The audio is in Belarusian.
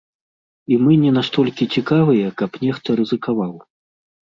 І мы не настолькі цікавыя, каб нехта рызыкаваў.